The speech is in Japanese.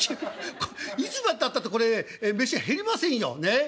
いつまでたったってこれね飯減りませんよねえ？